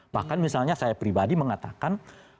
bahkan misalnya saya pribadi mengatakan